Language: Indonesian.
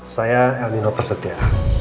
saya elmina persetia